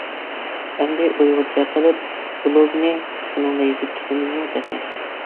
ئەمدى ئۇيغۇرچە قىلىپ بىلوگنى شۇنىڭدا يېزىپ كېتىمىزمۇ تېخى!